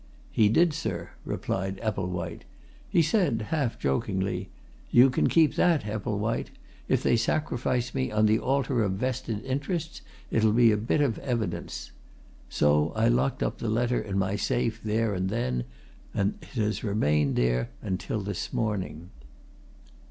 "He did, sir," replied Epplewhite. "He said, half jokingly, 'You can keep that, Epplewhite! If they sacrifice me on the altar of vested interests, it'll be a bit of evidence.' So I locked up the letter in my safe there and then, and it has remained there until this morning."